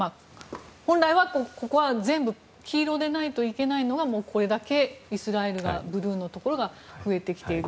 本来は、ここは全部黄色でないといけないのがこれだけイスラエルのブルーのところが増えている。